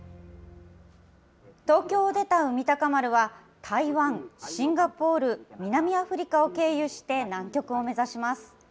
東京を出た海鷹丸は、台湾、シンガポール、南アフリカを経由して、南極を目指します。